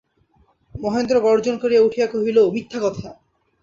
মহেন্দ্র গর্জন করিয়া উঠিয়া কহিল, মিথ্যা কথা।